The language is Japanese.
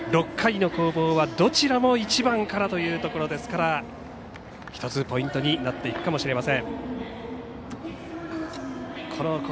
６回の攻防は、どちらも１番からというところですから１つポイントになっていくかもしれません。